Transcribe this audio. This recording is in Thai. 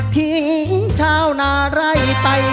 ทิ้งชาวนารัยไป